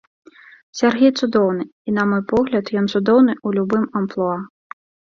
Сяргей цудоўны, і на мой погляд ён цудоўны у любым амплуа.